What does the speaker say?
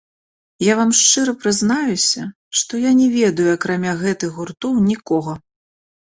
Я вам шчыра прызнаюся, што я не ведаю, акрамя гэтых гуртоў, нікога.